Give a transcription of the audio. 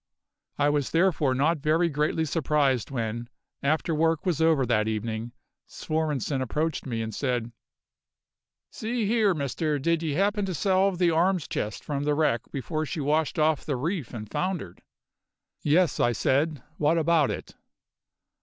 I was therefore not very greatly surprised when, after work was over that evening, Svorenssen approached me and said: "See here, Mister, did ye happen to salve the arms chest from the wreck before she washed off the reef and foundered?" "Yes," I said. "What about it?"